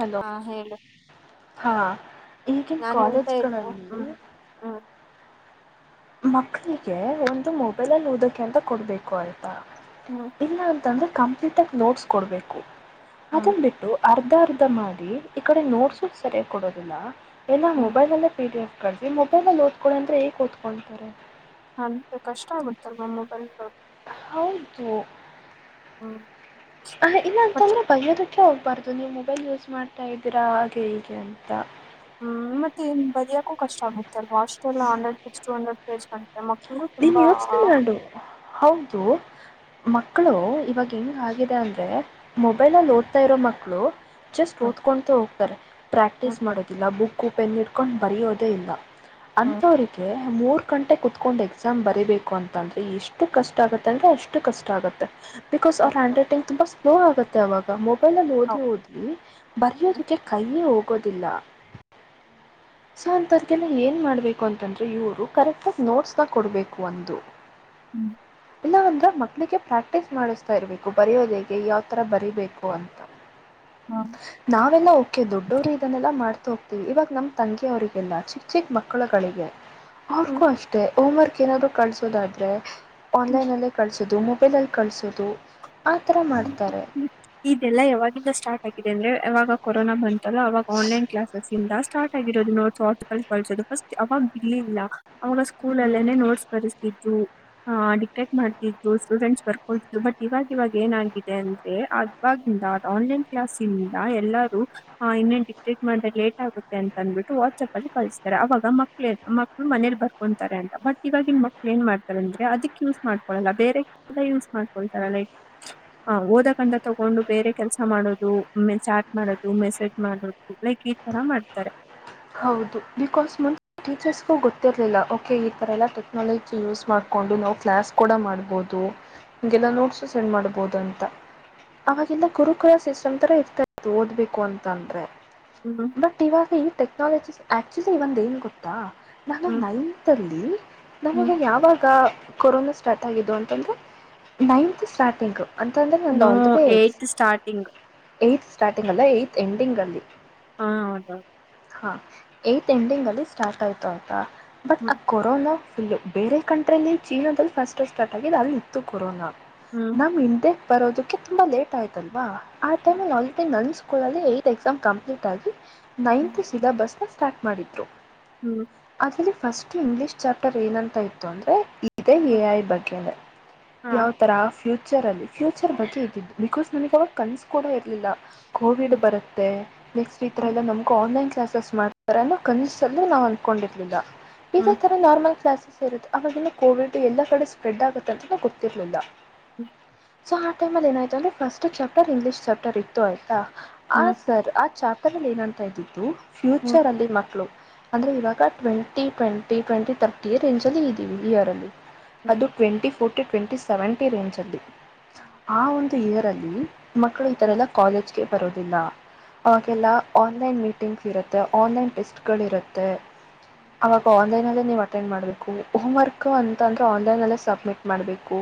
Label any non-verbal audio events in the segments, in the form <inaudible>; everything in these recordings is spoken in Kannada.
ಹಲೋ ಹಾ ಹೇಳು ಹಾ ಈಗಿನ ನಾನು ಎಂತ ಇ ಕಾಲೇಜ್ಗಳಲ್ಲಿ ಹ್ಮ್ ಹ್ಮ್ ಮಕ್ಳಿಗೆ ಒಂದು ಮೊಬೈಲ್ ಅನ್ನು ಓದಕ್ಕೆ ಅಂತ ಕೊಡ್ಬೇಕು ಅ ಹ್ಮ್ ಇಲ್ಲ ಅಂತಂದ್ರೆ ಕಂಪ್ಲೀಟ್ ಆ ನೋಟ್ಸ್ ಕೊಡ್ಬೇಕು ಹ್ಮ್ ಅದನ್ ಬಿಟ್ಟು ಅರ್ ಅರ್ಧ ಅರ್ಧ ಮಾಡಿ ಈ ಕಡೆ ನೋಟ್ಸು ಸರಿಯಾಗಿ ಕೊಡೋದಿಲ್ಲ ಏನ ಹ್ಮ್ ಮೊಬೈಲ್ ಅಲ್ಲೇ ಪಿ ಡಿ ಎಫ್ ಕರ್ಜಿ ಮೊಬೈಲ್ಲ್ಲಿ ಓದ್ಕೊೋ ಅ್ರೆ ಈಏಗೆ ಓದ್ಕೊಳ್ತಾರೆ ಅಂತ ಕಷ್ಟ ಆಗುತ್ತಲ್ ಮಮ್ಮ ಮೊಬೈಲ್ ಹೌದು ಹ್ಮ್ ಆ ಇಲ್ಲ ಬಟ್ ಅಂತಂದ್ರೆ ಬರ್ಯೋದ ಹೋಗ್ಬಾರ್ದು ನೀವು ಮೊಬೈಲ್ ಯೂಸ್ ಮಾಡ್ತಾ ಇದ್ದೀರಾ ಹಾಗೆ ಹೀಗೆ ಅಂತ ಹ್ಮ್ ಮತ್ತೆ ಬರಿಯಕು ಕಷ್ಟ ಆಗುತ್ತೆಲ್ ಹಾಸ್ಟೆ ಹಂಡ್ರೆಡ್ ಟು ಹಂಡ್ರೆಡ್ ಪ್ೇಸ್ ನೀನ್ ಯೋಚನೆ ಮಾಡು ಹೌದು ಮಕ್ಕಳು ಇವಾಗ ಹೆಂಗ ಆಗಿದೆ ಅಂದ್ರೆ ಮೊಬೈಲ್ಲ್ಲಿ ಓದ್ತಾ ಇರೋ ಮಕ್ಕಳು ಜಸ್ಟ್ ಹ್ಮ್ ಓದ್ಕೊೊಂಡತ ಹೋಗ್ತಾರೆ ಹ್ಮ್ ಪ್ರಾಕ್ಟೀಸ್ ಮಾಡೋದಿಲ್ಲ ಬುಕ್ಕು ಪೆನ್ ಇಟ್ಕೊಂಡು ಬರಿಯೋದೇ ಇಲ್ಲ ಹ್ಮ್ ಅಂತವ್ರರಿಗೆ ಮೂರ್ ಗಂಟೆ ಕುೂತ್ಕೊಂಡು ಎಕ್ಸಾಮ್ ಬರಿೀಬೇಕು ಅಂತ ಅಂದ್ರೆ ಎಷ್ಟು ಕಷ್ಟ ಆಗತ್ತ ಅಂದ್ರೆ ಅಷ್ಟು ಕಷ್ಟ ಆಗತ್ತೆ ಬಿಕಾಸ್ ಹೌ ಅವ್ರ ಹ್ಯಾಂಡ್ ರೈಟಿಂಗ್ ತುಂಬಾ ಸ್ಲೋ ಆಗುತ್ತೆ ಅವಾಗ ಮ ಕಲು ಹೌ ಓದಿ ಓದ್ರಿ ಬರಯೋದಕ್ಕೆ ಕೈಯೇ ಹೋಗೋದಿಲ್ಲ ಸೊ ಅಂತದರಿಗೆಲ್ಲ ಏನ್ ಮಾಡ್ಬೇಕು ಅಂತಂದ್ರೆ ಇವರು ಕರೆಕ್ಟ್ ಆಗಿ ನೋಟ್ಸ್ ಕೊಡಬೇಕು ಒಂದು ಹ್ಮ್ ಇಲ್ಲ ಅಂದ್ರೆ ಮಕ್ಕಳಿಗೆ ಪ್ರಾಕ್ಟೀಸ್ ಮಾಡಿಸ್ತಾ ಇರಬೇಕು ಬರೆಯೋದೇಗೆ ಯಾವ್ತಥರ ಬರೀಬೇಕು ಅಂತ ನಾವೆಲ್ಲಾ ಓಕೆ ದೊಡ್ಡವರು ಇದನ್ನೆಲ್ಲ ಮಾಡ್ತ ಹೋಗ್ತೀವಿ ಇವಾಗ ನಮ್ಮ ತಂಗಿಯ ಅವರಿಗೆಲ್ಲ ಚಿಕ್ಕ ಚಿಕ್ಕ ಮಕ್ಕಳುಗಳಿಗೆ ಅವ್ರಗೂ ಹ್ಮ್ ಅಷ್ಟೇ ಹೋಮ್ ವರ್ಕ್ ಏನಾದ್ರು ಕಳಸೋದಾದ್ರೆ ಆನ್ಲೈನ್ಲ್ಲೇ ಕಳಸೋದು ಮೊಬೈಲ ಅಲ್ಲಿ ಕಳಸೋದು ಆ ಥರ ಮಾಡ್ತಾರೆ ಇದೆಲ್ಲ ಯಾವಾಗಿಂದ ಸ್ಟಾರ್ಟ್ ಆಗಿದೆ ಅಂದ್ರೆ ಯಾವಾಗ ಕೊರೋನಾ ಬಂತಲ್ಲ ಅವಾಗ ಆನ್ಲೈನ್ ಕ್ಲಾಸಸ್ ಇಂದ ಸ್ಟಾರ್ಟ್ ಆಗಿರೋದು ನೋಡ್ ಹಾರ್ಟಿಕಲ್ ಕಲ್ಚರ್ ಫಸ್ಟ್ ಅವಾಗರ್ಲಿಲ್ಲ ಅವಾಗ ಸ್ಕೂಲ್ ಹ್ಮ್ ಅಲ್ಲೇನೆ ನೋಟ್ಸ್ ಬರೆತಿದ್ರು ಹ ಡಿಟೆಕ್ಟ್ ಮಾಡ್ತಿದ್ರು ಸ್ಟೂಡೆಂಟ್ಸ್ ವರ್ಕ್ ಕೊಡ್ತ್ ಬಟ್ ಇವಾಗ ಇವಾಗ ಏನಾಗಿದೆ ಅಂದ್ರೆ ಇವಾಗಿಂದ ಆನ್ಲೈನ್ ಕ್ಲಾಸಿಂದ ಎಲ್ಲಾರು ಇನ್ನೇ ಡಿಟೆಕ್ಟ್ ಮಾಡಿದ್ರೆ ಲೇಟ್ ಆಗುತ್ತೆ ಅಂತಂದ ಬಿಟ್ಟು ವಾಟ್ಸ್ಆಪ್ ಅಲ್ಲಿ ಕಳಿಸ್ತಾರೆ ಅವಾಗ ಮಕ್ಕಳ ಮಕ್ಳು ಮನೇಲಿ ಬರ್ಕೊತಾರೆ ಅಂತ ಬಟ್ ಇವಾಗಿನ ಮಕ್ಕಳ ಏನ್ ಮಾಡ್ತಾರೆ ಅದ್ಕ ಯೂಸ್ ಮಾಡಿಕೊಳಳ್ಳ ಬೇರೆ ಯೂಸ್ ಮಾಡ್ಕೊಳ್ತಾರ ಓದಕಂತ ತಗೊಂಡು ಬೇರೆ ಕೆಲಸ ಮಾಡೋದು ಚಾಟ್ ಮಾಡೋದು ಮೆಸೇಜ್ ಮಾಡೋದು ಲೈಕ್ ಈ ತರ ಮಾಡ್ತಾರೆ ಹೌದು ಬಿಕಾಸ್ ಮುಂದ ಟೀಚರ್ಸ್ಗೂ ಗೊತ್ತಿರ್ಲಿಲ್ಲ ಓಕೆ ಈ ತರ ಎಲ್ಲಾ ಟೆಕ್ನಾಲಜಿ ಯೂಸ್ ಮಾಡ್ಕೊಂಡು ಕ್ಲಾಸ್ ಕೂಡ ಮಾಡ್ಬಹುದುಗೆಲ್ಲ ನೋಟ್ಸ ಸೆಂಡ್ ಮಾಡಬಹುದು ಅಂತ ಅವಾಗೆಲ್ಲ ಗುರುಕುಲ ಸಿಸ್ಟಮ್ ತರ ಇರ್ತಾತ್ತು ಓದ್ಬೇಕು ಅಂತ ಅಂದ್ರೆ ಹ್ಮ್ ಬಟ್ ಇವಾಗ ಟೆಕ್ನಾಲಜಿ ಆಕ್ಚುಲಿ ಇವಾಗ ಏನ್ ಏನ್ ಗೊತ್ತಾ ನಾನು ಹ್ಮ್ ನೈನ್ತ್ ಅಲ್ಲಿ ಹ್ಮ್ ನನಗೆ ಯಾವಾಗ ಕೊರೋನಾ ಸ್ಟಾರ್ಟ್ ಆಗಿದ್ದು ಅಂತಂದ್ರೆ ನೈನ್ತ್ ಸ್ಟಾರ್ಟಿಂಗ್ ಅಂತಂದ್ರೆ ನಂದು ನೋ ಏತ್ ಸ್ಟಾರ್ಟಿಂಗ್ ಆಲ್ರೆಡಿ ಸ್ಟಾರ್ಟಿಂಗ್ ಅಲ್ಲ ಎಂಡಿಂಗ್ ಅಲ್ಲಿ ಹಾ ಹೌದೌದು ಹಾ ಏಟ್ ಎಂಡಿಂಗಲ್ಲಿ ಸ್ಟಾರ್ಟ್ ಆಯ್ತು ಅಂತ ಬಟ್ ಆ ಹ್ಮ್ ಕೊರೋನಾ ಫು ಬೇರೆ ಕಂಟ್ರಿಲ್ಲಿ ಚೀನಲ್ಲಿ ಫಸ್ಟ್ ಸ್ಟಾರ್ಟ್ ಆಗಿದೆ ಅಲ್ಲಿ ಇತ್ತು ಕೊರೋನಾ ಹ್ಮ್ ನಮ್ ಇಂಡೆ ಬರೋದಕ್ಕೆ ತುಂಬ ಲೇಟ್ ಆಯತಲ್ವ ಆ ಟೈಮಲ್ಲಿ ಆಲ್ರೆಡಿ ನನ್ಸ್ಕೊಳ್ಳದೆ ಯತ್ ಎಕ್ಸಾಮ್ ಕಂಪ್ಲೀಟಾಗಿ ನೈನ್ತ್ ಸಿಲಾ ಬಸ್ನ ಸ್ಟಾರ್ಟ್ ಮಾಡಿದ್ರು ಹ್ಮ್ ಫಸ್ಟ್ ಇಂಗ್ಲಿಷ್ ಚಾಪ್ಟರ್ ಏನಂತ ಇತ್ತು ಅಂದ್ರೆ ಎ ಹ್ಮ್ ಐ ಬಗ್ಗೆ ಹಾ ಯಾವ ತರ ಫ್ಯೂಚರ್ ಅಲ್ಲಿ ಫ್ಯೂಚರ್ ಬಗ್ಗೆ ಇದ್ದಿದ್ದು ಬಿಕಾಸ್ ನಮಗೆ ಅವಾಗ ಕನಸಕೂಡ ಇರಲಿಲ್ಲ ಕೋವಿಡ್ ಹ್ಮ್ ಬರುತ್ತೆ ನೆಕ್ಸ್ಟ್ ಈ ತರ ಹ್ಮ್ ಎಲ್ಲ ನಮ್ಗ ಆನ್ಲೈನ್ ಕನಸುಳು ಮಾಡ ಕನಿಸಲು ನಾವು ಅಂದಕೊಂಡಿರ್ಲಿಲ್ಲ ಇದೇ ಹ್ಮ್ ತರ ನಾರ್ಮಲ್ ಕ್ಲಾಸಸ್ ಅವವಾಗಿಲ್ಲ ಕೋವಿಡ್ ಎಲ್ಲಾ ಕಡೆ ಸ್ಪ್ರೆಡ್ ಆಗುತ್ತಂತ ನ ಗೊತ್ತಿರ್ಲಿಲ್ಲ ಹ್ಮ ಸೊ ಆ ಟೈಮಲ್ಲಿ ಏನಾಯ್ತು ಅಂದ್ರೆ ಫಸ್ಟ್ ಚಾಪ್ಟರ್ ಇಂಗ್ಲೀಷ್ ಚಾಪ್ಟರ್ ಇತ್ತು ಆಯ್ತಾ ಆ ಹ್ಮ್ ಸರ್ ಆ ಚಾಪ್ಟರ್ ಪಕ್ಕದಲ್ಲಿ ಏನತಾ ಇದ್ದತ್ತು ಹ್ಮ್ ಫ್ಯೂಚರ್ ಅಲ್ಲಿ ಮಕ್ಕಳು ಆದ್ರೆ ಇವಾಗ twenty twenty twenty thirty range ಅಲ್ಲಿ ಇದ್ದೀವಿ ಇಯರ್ ಅಲ್ಲಿ ಹ್ಮ್ ಅದು twenty forty twenty seventy range ಅಲ್ಲಿ ಆ ಒಂದು ಇಯರ್ ಅಲ್ಲಿ ಮಕ್ಕಳು ಈತರೆ ಎಲ್ಲ ಕಾಲೇಜ್ಗೆ ಬರೋದಿಲ್ಲ ಅವೆಲ್ಲ ಆನ್ಲೈನ್ ಮೀಟಿಂಗ್ಸ್ ಇರುತ್ತೆ ಆನ್ಲೈನ್ ಟೆಸ್ಟ್ ಗಳು ಇರುತ್ತೆ ಅವಾಗ ಆನ್ಲೈನ್ ಅಲ್ಲೇ ನೀವು್ ಅಟೆಂಡ್ ಮಾಡ್ಬೇಕು ಹೋಮ್ ವರ್ಕ್ ಅಂತ ಅಂದ್ರೆ ಆನ್ಲೈನ್ಲ್ಲೇ ಸಬ್ಮಿಟ್ ಮಾಡ್ಬೇಕು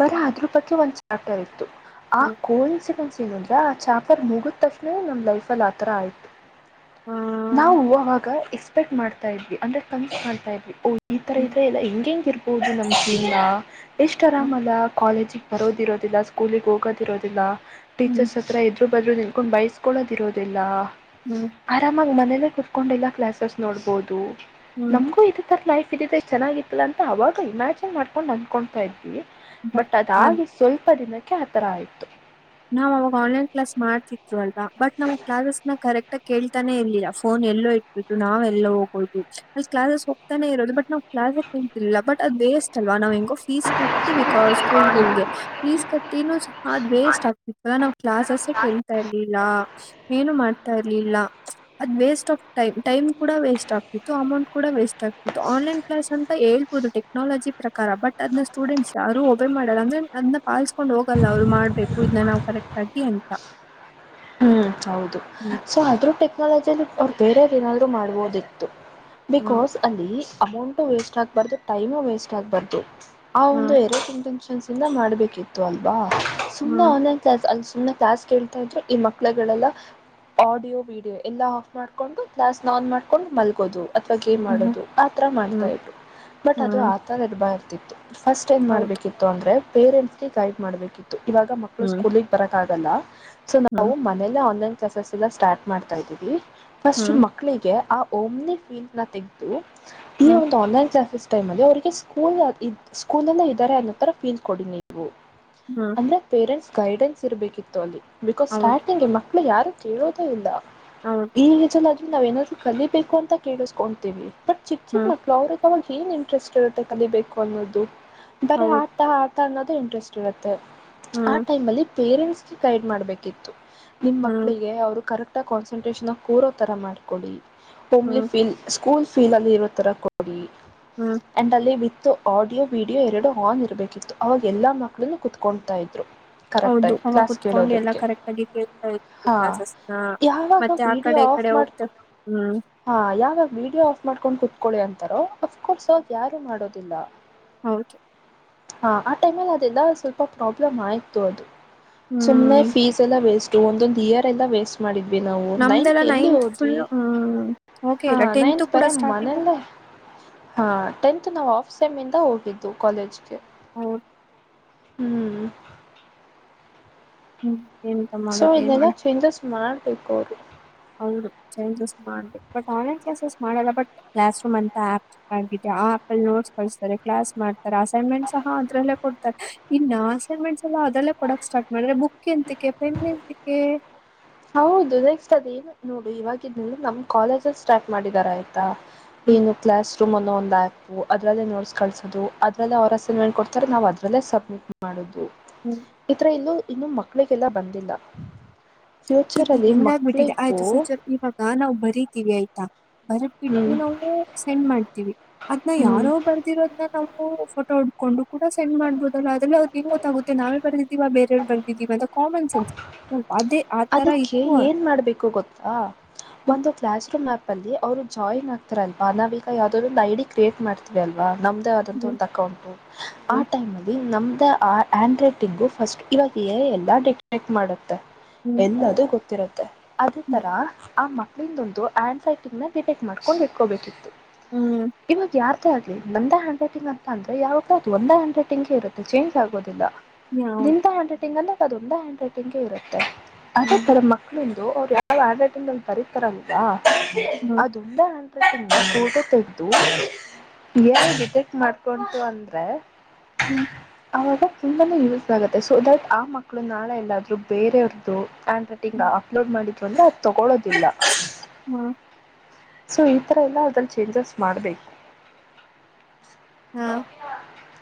ಬರ ಅದ್ರ ಬಗ್ಗೆ ಒಂದ್ ಚಾಪ್ಟರ್ ಇತ್ತು ಆ ಹ್ಮ್ ಹ್ಮ್ ಕೋ ಇನ್ಸಿಡೆನ್ಸ್ ಏನು ಅಂದ್ರೆ ಆ ಚಾಪರ್ ಮುಗಿದ ತಕ್ಷಣ ನಮ್ ಲೈಫಲ್ಲಿ ಆತರ ಆಯ್ತು ನಾವು ಆವಾಗ ಎಕ್ಸ್ಪೆಕ್ಟ್ ಮಾಡ್ತಾ ಇದ್ವಿ ಅಂದ್ರೆ ಕನ್ಸ್ ಮಾಡ್ತಾ ಇದ್ವಿ ದ ಈ ತರ ಇದ್ರೆ ಎಲ್ಲಾ ಹೆಂಗ ಹೆಂಗ ಇರ್ಬಹುದು ನಮ್ ಜೀನ ಎಷ್ಟ್ ಹ್ಮ್ ಆರಾಮಲ್ಲ ಕಾಲೇಜಿಗೆ ಬರೋದಿರೋದಿಲ್ಲ ಸ್ಕೂಲಿಗೆ ಹೋಗೋದಿರೋದಿಲ್ಲ ಹ್ಮ್ ಟೀಚರ್ಸ್ ಹತ್ರ ಎರು ಬದ್ರೂ ಕಕೊಂಡು ಬೈಸ್ಕೊಳ್ಳೋದಿರೋದಿಲ್ಲ ಹ್ಮ್ ಆರಾಮಾಗಿ ಮನೇಲ್ಲೇ ಕುೂತ್ಕೊಂಡಿಲ್ಲ ಕ್ಲಾಸಸ್ ನೋಡ್ಬಹುದು ಹ್ಮ್ ನಮಗೂ ಇದ ತರ ಲೈಫ್ ಇದಿದೆ ಚೆನ್ನಾಗಿತ್ತಲ್ಲ ಅಂತ ಅವಾಗ ಇಮ್ಯಾಜಿನ್ ಮಾಡ್ಕೊಂಡ್ ಅಂದಕೊತಾ ಇದ ಇದ್ವಿ ಬಟ್ ಅದಾಗಿ ಸ್ವಲ್ಪ ದಿನಕ್ಕೆ ಆತರ ಆಯ್ತು ನಾವ್ ಅವಾಗ ಆನ್ಲೈನ್ ಕ್ಲಾಸ್ ಮಾಡ್ತಿತ್ತುರು ಅಲ್ ಬಟ್ ನಮ್ ಕ್ಲಾಸಸ್ ನ ಕರೆಕ್ಟ್ ಕೇಳ್ತಾನೆ ಇರ್ಿಲ್ಲ ಫೋನ್ ಎಲ್ಲೋ ಇಟ್ಬಿಟ್ಟು ನಾವೆಲ್ಲ ಹೋಗೋುದು ಅಲ್ಲಿ ಕ್ಲಾಸಸ್ ಹೋಗ್ತಾನೇ ಇರದು ಬಟ್ ನಾವು್ ಬಟ್ ಅದು ವೇಸ್ಟ್ ಲ್ವಾ ನಾವ್ ಹೆಂಗೋ ಫೀಸ್ ಕಟ್ಟಿ ಸ್ಕೂಲ್ ಗಳಗೆ ಫೀಸ್ ಕಟ್ಟಿನೂ ಅದ್ ವೇಸ್ಟ್ ಆಗ್ ಇ ನಾ್ ಕ್ಲಾಸ್ಸೆ ಕೇಳ್ತಾ ಇರ್ಲಿ ಏನು ಮಾಡ್ತಾ ಇರ್ಲಿಲ್ಲ ಅ ವೇಸ್ ಆಫ್ ಟೈಮ್ ಕೂಡ ವೇಸ್ಟ್ ಆಗ್ತಿತ್ತು ಅಮೌಂಟ್ ಕೂಡ ವೇಸ್ಟ್ ಆಗ್ತಿತ್ತು ಆನ್ಲೈನ್ ಕ್ಲಾಸ್ ಅಂತ ಹ ಹದು ಟೆಕ್ನಾಲಜಿ ಪ್ರಕಾರ ಬಟ್ ಅದನ್ನ ಸ್ಟೂಡೆಂಟ್ಸ್ ಯಾರು ಒಬೆ ಮಾಡಲ್ಲ ಅಂದ್ರೆ ಅದ್ನ್ನ ಪಾಲಿಸಸ್ಕೊಂಡ್ ಹೋಗಲ್ಲ ಅವ್ರು್ಬೇಕು ಉಡನ ನಾವು ಕರೆಕ್ಟ್ ಆಗಿ ಅಂತ ಹ್ಮ್ ಹೌದು ಹ್ಮ್ ಸೊ ಆದ್ರೂ ಟೆಕ್ನಾಲಜಿಲ್ಲಿ ಅವ್ರು ಬೇರೆಯವ್ರು ಏನಾದ್ರು ಮಾಡ್ಬೋದಿತ್ತು ಹ್ಮ್ ಬಿಕಾಸ್ ಅಲ್ಲಿ ಅಮೌಂಟ ವೇಸ್ಟ್ ಆಗ್ಬಾರ್ದು ಟೈಮು ವೇಸ್ಟ್ ಆಗ್ಬಾರ್ದು ಆ ಒಂದು ಹ್ಮ್ ಎರ ಇಟೆನ್ಕ್ಷನ್ಸ್ ಇಂದ ಮಾಡ್ಬೇಕಿತ್ತು ಅಲ್ವಾ ಸು ಹ್ಮ್ ಒಂದ ಇನ್ನು ಕಾಸ್ ಕೇಳ್ತಾ ಇದ್ರು ಈ ಮಕ್ಳುಗಳೆಲ್ಲ ಆಡಿಯೋ ವಿಡಿಯೋ ಎಲ್ಲಾ ಆಫ್ ಮಾಡ್ಕೊಂಡು ಗ್ಲಾಸ್ ಆನ್ ಮಾಡ್ಕೊಂಡು ಮಲ್ಗೋವು ಅಥವಾ ಗೇಮ್ ಹ್ಮ್ ಮಾಡೋದು ಆ ಥರ ಮಾಡ್ತಾ ಹ್ಮ್ ಇದ್ರು ಬಟ್ ಅದು ಹ್ಮ್ ಆ ತಥರ ಇರಬಾರ ಇರ್ತಿತ್ತು ಫಸ್ಟ್ ಏನ್ ಹೌದು ಮಾಡ್ಬೇಕಿತ್ತು ಅಂದ್ರೆ ಪೇರೆಂಟ್ಸ್ಗೆ ಗೈಡ್ ಮಾಡ್ಬೇಕಿತ್ತು ಇವಾಗ ಮಕ್ಕಳು ಹ್ಮ್ ಸ್ಕೂಲ್ಗೆ ಬರಕ್ ಆ ಸೊ ನಾವು ಹ್ಮ್ ಮನೇಲ್ಲ ಆನ್ಲೈನ್ ಕ್ಲಾಸಸ್ ಎಲ್ಲ ಸ್ಟಾರ್ಟ್ ಮಾಡ್ತಾ ಇದ್ದೀವಿ ಫಸ್ಟ್ ಹ್ಮ್ ಮಕ್ಕಳಿಗೆ ಆ ಓಮ್ನ ಫೀಲ್ ನ ತೆಗೆದು ಈ ಹ್ಮ್ ಒಂದು ಆನ್ಲೈನ್ ಕ್ಲಾಸಸ್ ಟೈಮ್ ಅಲ್ಲಿ ಅವರಿಗೆ ಸ್ಕೂಲ್ ಸ್ಕೂಲ್ಂದ ಇದ್ದಾರೆ ಅನ್ನೋ ತರ ಫೀಲ್ ಕೊಡನಿ ನೀವು ಹ್ಮ್ ಅಂದ್ರೆ ಪೇರೆಂಟ್ಸ್ ಗೈಡೆನ್ಸ್ ಇರ್ಬೇಕಿತ್ತು ಅಲ್ಲಿ ಬಿಕಾಸ್ ಹೌದು ಸ್ಟಾರ್ಟಿಂಗ್ ಮ ಆಮೇ ಯಾರು ಕೇಳೋದೇ ಇಲ್ಲ ಹೌದು ಈಗ ಜನ ನಾವ ಏನಾದ್ರು ಕಲಿಬೇಕು ಅಂತ ಕೇಳಿಸ್ಕೊತೀವಿ ಬಟ್ ಚಿಕ್ ಚಿಕ್ ಹ್ಮ್ ಮಕ್ಳು ಅವ್ರ ಅವಾಗ ಏನ್ ಇಂಟ್ರೆಸ್ಟ್ ಇರುತ್ತೆ ಕಲಿಬೇಕು ಅನ್ನೋದು ಬರ ಹೌದು ಆಟ ಆ ಅನ್ನೋದು ಇಂಟ್ರೆಸ್ಟ್ ಇರುತ್ತೆ ಆ ಹ್ಮ್ ಟೈಮ್ ಅಲ್ಲಿ ಪೇರೆಂಟ್ಸ್ಗೆ ಗೈಡ್ ಮಾಡ್ಬೇಕಿತ್ತು ನಿಮ್ ಹ್ಮ್ ಮಕ್ಳಿಗೆ ಅವರು ಕರೆಕ್ಟ್ ಆ ಕಾನ್ಸಂಟ್ರೇಷನ್ ಆ ಕೂರೋ ತರ ಮಾಡ್ಕೊಡಿ ಓಮ್ಲಿ ಹ್ಮ್ ಫೀಲ್ ಕೂಲ್ ಫೀಲ್ ಅಲ್ಲಿ ಇರೋ ತರ ಕೊಡಿ ಹ್ಮ್ ಅಂಡ್ ಅಲ್ಲಿ ಆಡಿಯೋ ವಿಡಿಯೋ ಎರಡು ಆನ್ ಇರಬೇಕಿತ್ತು ಅವಾಗ ಎಲ್ಲಾ ಮಕ್ಳನ್ನು ಕೂತ್ಕೊತಾ ಇದ್ರು ಹೌದು ಕರೆಕ್ಟಾಗಿ ಅವ ಕ್ಲಾಸ್ ಕುೂತ್ಕೊಂಡು ಎಲ್ಲಾ ಕೇಳೋದಕ್ಕೆ ಕರೆಕ್ಟ್ ಕಡೆ ಕೇಳ್ತಾ ಇತ್ತು ಹಾಂ ಕ್ಲಾಸಸ್ನ ಯಾವಾಗ ಮತ್ತೆ ಆ ವಿಡಿಯೋ ಕಡೆ ಈ ಆಫ್ ಕಡೆ ಮಾಡಿ ಹೋಗ್ತ ಹ್ಮ್ ಹಾ ಯಾವಾಗ ವೀಡಿಯೋ ಆಫ್ ಮಾಡ್ಕೊಂಡ್ ಕುೂತ್ಕೊಳ್ಳಿ ಅಂತಾರೋ ಅಫ್ಕೋರ್ಸ್ ಅವಗ್ ಯಾರು ಮಾಡೋದಿಲ್ಲ ಹೌದು ಹಾ ಆ ಟೈಮಲ್ಲಿ ಅದೆಲ್ಲ ಸ್ವಲ್ಪ ಪ್ರಾಬ್ಲಮ್ ಆಯ್ತು ಅದು ಸುಮ್ನೆ ಹ್ಮ್ ಫೀಸ್ ಎಲ್ಲ ವೇಸ್ಟ್ ಒಂದೊಂದು ಇಯರ್ ಎಲ್ಲ ವೇಸ್ಟ್ ಮಾಡಿದ್ದು ದ್ವಿ ನಾವು ನೈತ್ ನಮ್ದೆಲ್ಲ ಎಲ್ಲಿ ನೈನ್ತ್ ಹೋದ್ವಿ ಫುಲ್ ಹ್ಮ್ ಓಕೆ ಹಾ ಇಲ್ಲ ಟೆಂತ್ ನೈನ್ತ್ ಕೂಡ ಬರೆ ಸ್ಟಾರ್ಟಿಂಗ್ ಮನೆಲ್ಲೇ ಹಾ ಟೆಂತ್ ನಾವು ಆಫ್ ಸೆಮ್ ಇಂದ ಹೋಗಿದ್ದು ಕಾಲೇಜ್ಗೆ ಹೌದು ಹ್ಮ್ ಹ್ಮ್ ಸೊ ಇದ್ನೇಲ್ಲ ಚೇಂಜಸ್ ಮಾಡಬೇಕು ಅವ್ರು ಹೌದು ಚೇಂಜಸ್ ಮಾಡಬೇಕು ಬಟ್ ಆನ್ಲೈನ್ ಕ್ಲಾಸೆಸ್ ಎಲ್ಲ ಮಾಡಲ್ಲ ಬಟ್ ಕ್ಲಾಸ್ ರೂಮ್ ಅಂತ ಆಪ್ ಮಾಡಬೇಕು ಆ ಆಪ್ ನೋಟ್ಸ್ ಕಳತಾರೆ ಕ್ಲಾಸ್ ಮಾಡ್ತಾರೆ ಅಸೈನ್ಮೆಂಟ್ ಸಹ ಅದ್ರಲ್ಲೇ ಕೊಡ್ತಾರೆ ಇನ್ನು ಅಸೈನ್ಮೆಂಟ್ಸ್ ಅದ್ರಲ್ಲೆ ಕೊಡಕ್ ಸ್ಟಾರ್ಟ್ ಮಾಡುದ್ರೆ ಬುಕ್ ಎಂತಿಕೆ ಪೆನ್ ಎಂತಿಕೆ ಹೌದು ನೆಕ್ಸ್ಟ್ ಅದೇ ನೋಡು ಇವಾಗಿದ್ನೇಲ್ಲ ನಮ್ ಕಾಲೇಜ ಅಲ್ ಸ್ಟಾರ್ಟ್ ಮಾಡಿದಿದ್ದಾರೆ ಆಯ್ತಾ ತ ಹ್ಮ್ ಏನು ಕ್ಲಾಸು ರೂಮ್ ಅನ್ನೋ ಒಂದು ಆ್ಯಪ್ ಅದರಲ್ಲೇ ನೋಟ್ಸ್ ಕಳಸೋದು ಅದರಲ್ಲೇ ಅವರ ಅಸೈನ್ಮೆಂಟ್ ಕೊಡ್ತಾರೆ ನಾವು ಅದರಲ್ಲೇ ಸಬ್ಮಿಟ್ ಮಾಡೋದು ಹ್ಮ್ ಇತರ ಇನ್ನು ಇನ್ನೂ ಮಕ್ಕಳಿಗೆಲ್ಲ ಬಂದಿಲ್ಲ ಇದು ಈಗ ಫ್ಯೂಚರಲ್ಲಿ ಹೆಂಗಾಗ್ಬಿಟ್ಟಿದೆ ಮಕ್ಕಳಿಗೂ ಆಯ್ತು ಫ್ಯೂಚರ್ ಇವಾಗ ನಾವು ಬರೀತೀವಿ ಆಯ್ತಾ ಬರ್ಬಿಟ್ಟು ಹ್ಮ್ ನಾವು ಸೆಂಡ್ ಮಾಡ್ತೀವಿ ಅದ್ನ್ನ ಹ್ಮ್ ಯಾರೋ ಬರ್ದಿರೋದನ್ನ ನಾವು ಫೋಟೋ ಹೊಡ್ಕೊಂಡು ಕೂಡ ಸೆಂಡ್ ಮಾಡ್ಬಹುದಲ್ಲ ಅದೆಲ್ಲ ಅವ್ರ್ಗೆ ಹೆಂಗ್ ಗೊತ್ತಾಗುತ್ತೆ ನಾವೇ ಬರ್ದಿದೀವ ಬೇರೆವ್ರ್ ಬರ್ದಿದೀವ ಈವಾಗ ಕಾಮನ್ ಸೆನ್ಸ್ ಅದೇ ತರ ಅದಕ್ಕೆ ಇತ್ತು ಏನ್ ಮಾಡಬೇಕು ಗೊತ್ತಾ ಒಂದು ಕ್ಲಾಸ್ ರೂಮ್ ಆ್ಯಪ್ ಅಲ್ಲಿ ಅವ್ರು ಜಾಯ್ನ್ ಆಗ್ತಾರಲ್ವಾ ನಾವೀಗ ಯಾವ್ದಾದ್ರು ಒಂದು ಐಡಿ ಕ್ರಿಯೇಟ್ ಮಾಡ್ತೀವಿ ಅಲ್ವಾ ನಮ್ದೇ ಆದಂತ ಹ್ಮ್ ಒಂದು ಅಕೌಂಟು ಆ ಹ್ಮ್ ಟೈಮಲ್ಲಿ ನಮ್ಮ ಹ್ಯಾಂಡರೈಟಿಂಗ್ ಫಸ್ಟ್ ಇವಾಗ ಎ ಐ ಎಲ್ಲ ಡಿಟೇಕ್ಟ್ ಮಾಡುತ್ತೆ ಹ್ಮ್ ಎಲ್ಲದು ಗೊತ್ತಿರತ್ತೆ ಅದೇ ಹ್ಮ್ ತರ ಆ ಮಕ್ಳಿದೊಂದು ಆ್ಯಂಡ್ ರೈಟಿಂಗ್ ನ ಡಿಟೆಕ್ಟ್ ಮಾಡ್ಕೊಂಡ ಇಟ್ಕೋಬೇಕಿತ್ತು ಹ್ಮ್ ಇವಾಗ ಯಾರ್ ದೆ ಆಗಲಿ ನಂದ ಹ್ಯಾಂಡ ರೈಟಿಂಗ ಅಂತಂದರೆ ಯಾವಾಗ ಅದ್ರು ಒಂದು ಹ್ಯಾಂಡ್ ರೈಟಿಂಗ್ ಇರುತ್ತೆ ಚೇಂಜ್ ಆಗೋದಿಲ್ಲ ಯಾವ್ದ್? ನಿಂದ ಹ್ಯಾಂಡ್ ರೈಟಿಂಗ್ ಅಂದ್ರೆ ಅದೊಂದ ಹ್ಯಾಂಡ್ ರೈಟಿಂಗ್ ಇರುತ್ತೆ ಅ ಹ್ಮ್ ತರ ಮಕ್ಕಳುನು ಅವ್ರು ಯಾವ್ ಹ್ಯಾಂಡರೈಟಿಂಗ್ ಅಲ್ಲಿ ಬರೀತಾರಲ್ವ ಹ್ಮ್ ಅದೊಂದ ಹ್ಯಾಂಡರೈಟಿಂಗ್ದು ಫೋಟೋ ತೆಗೆದು ಎ ಐ ಡಿಟೆಕ್ಟ್ ಮಾಡ್ತ ಡ್ಕೊಂತು ಅಂದ್ರೆ ಹ್ಮ್ ಆಗ ತುಂಬಾನೆ ಯೂಸ್ ಆಗುತ್ತೆ ಸೊ ದಟ್ ಆ ಮಕ್ಳು ನಾಳೆ ಎಲ್ಲಾದ್ರೂ ಬೇರೆಯವ್ರದು ಹ್ಯಾಂಡ್ರೈಟಿಂಗ್ ಹ್ಮ್ ಅಪ್ಲೋಡ್ ಮಾಡಿದ್ರು ಅಂದ್ರೆ ಅದು ತಗೊಳೋದಿಲ್ಲ ಹ, ಸೊ ಈಥರ ಎಲ್ಲ ಅಲ್ಲಿ ಚೇಂಜಸ್ ಮಾಡಬೇಕು ಹಾ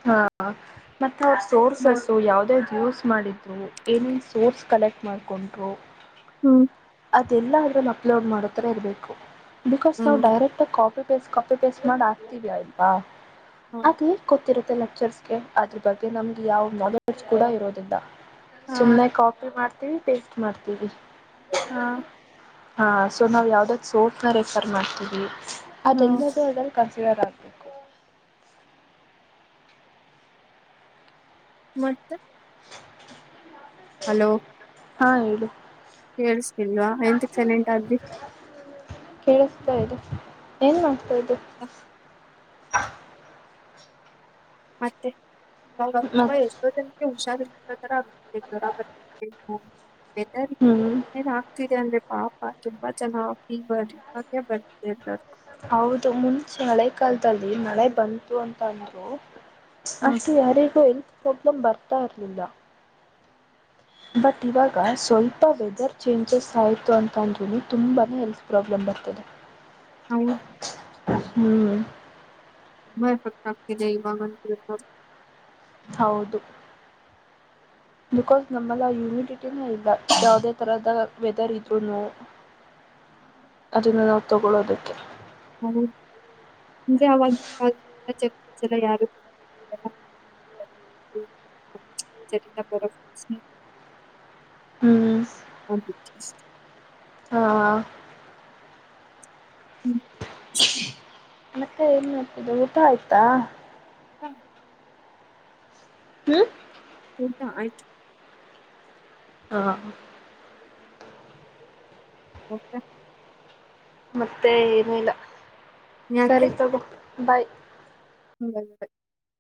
ಹ ಮೆತ್ತೆ ಅವ್ರ್ ಮ, ಸೋರ್ಸಸ್ ಯಾವ್ದ್ಯಾವ್ದ್ ಯೂಸ್ ಮಾಡಿದ್ರು ಏನೇನ್ ಸೋರ್ಸ್ ಕಲೆಕ್ಟ್ ಮಾಡ್ಕೊಂಡರು ಹ್ಮ್ ಅದೆಲ್ಲ ಅದ್ರಲ್ಲಿ ಅಪ್ಲೋಡ್ ಮಾಡೋತರ ಇರಬೇಕು ಬಿಕಾಸ್ ನಾವು ಹ್ಮ್ ಡೈರೆಕ್ಟಾಗಿ copy copy paste copy paste ಮಾಡ ಹಾಕ್ತಿವಿ ಅಲ್ವಾ ಹ್ಮ್ ಅದ ಗೊತ್ತಿರುತ್ತೆ ಲೆಕ್ಚರ್ಸ್ಗೆ ಅದ್ರು ಬಗ್ಗೆ ನಮ್ಗೆ ಯಾವ್ ನಾಲೆಡ್ಜ್ ಕೂಡ ಇರೋದಿಲ್ಲ ಹ, ಸುಮ್ಮನೆ ಕಾಪಿ ಮಾಡ್ತೀವಿ ಪೇಸ್ಟ್ ಮಾಡ್ತೀವಿ ಹಾ ಹಾ ಸೊ ನಾವ್ ಯಾವ್ದ್ಯಾವ್ದ್ ಸೊರ್ಸ್ ನ ರೆಫರ್ ಮಾಡ್ತೀವಿ ಹ್ಮ್ ಅದೆಲ್ಲದು ಅದ್ರಲ್ ಸರಾಬೇಕಬೇಕು <unintelligible> ಮತ್ತೆ ಹಲೋ ಹಾ ಹೇಳಿ ಕೇಳ್ಸ್ತಿಲ್ವಾ ಎಂತ ಚೆನಟಾದಿ ಕೇಳಿಸ್ತಾ ಇದೆ ಏನ್ ಮಾಡ್ತಾ ಇದು ಮತ್ತೆ ಮತ್ತು ಎಷ್ಟೋ ಜನಕ್ಕೆ ಹುಷಾರರ್ ಜವರ ಬ ಹ್ಞೂ ಏನ್ ಆಗ್ತಿದೆ ಅಂದ್ರೆ ಪಾಪಾ ತುಂಬಾ ಚನ ಫೀವರ್ ಇವಾಗೆ ಬರ್ತ ಎಲ್ಲಗೂ ಹೌದು ಮುಂಚೆ ಹಳೆ ಕಾಲದಲ್ಲಿ ಮಳೆ ಬಂತು ಅಂತ ಅಂದ್ರು ಹ್ಮ್ ಅಷ್ಟು ಯಾರಿಗೂ ಇ ಸ್ವಪ್ನಂ ಭರ್ತ ಇರನಿಲ್ಲ ಬಟ್ ಇವಾಗ ಸ್ವಲ್ಪ ವೆದರ್ ಚೇಂಜಸ್ ಆಯ್ತು ಅಂತ ಅಂದ ತುಂಬಾನೇ ಹೆಲ್ತ್ ಪ್ರಾಬ್ಲಮ್ ಬರ್ತದೆ ಹೌದು ಹ್ಮ್ ಮ ಪಟ್ಟಟಾಕಕ್ಕೆರೈ ಬಾಗನ ಪ ಹೌದು ಬಿಕಾಸ್ ನಮ್ಮಲ್ಲ ಹ್ಯುಮಿಡಿಟಿನ ಇಲ್ಲ ಯಾವದೇ ತರದ ವೆದರ್ ಇದ್ರುೂನು ಅದನ್ನ ನಾವು ತಗೊೊಳ್ಳುವ ಅದಕ್ಕೆ ಹಿಂಗೇ ಅವಾಗ ಚಲ ಯಾರು ಚರಿ ಬರ ಹ್ಮ್ ಹ ಹಾ ಹ್ಮ್ ಮಕ್ಕ ಏನ್ ಮಾಡ್ತಿದ್ದ ಊಟ ಆಯ್ತಾ ಹಾ ಹ್ಮ್ ಅಂತ ಆಯ್ತು ಹಾ ತ್ತೆ ಮತ್ತೆ ಏನಿಲ್ಲ ಸರಿ ತಗೋ ಬಾಯ್ ಹ್ಮ್